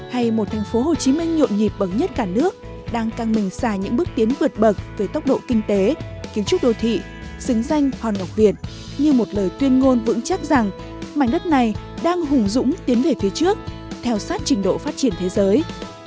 hay một thành phố hồ chí minh nhộn nhịp bậc nhất cả nước đang căng mình xa những bước tiến vượt bậc về tốc độ kinh tế kiến trúc đô thị xứng danh hòn ngọc viện như một lời tuyên ngôn vững chắc rằng mảnh đất này đang hùng dũng tiến về phía trước theo sát trình độ phát triển thế giới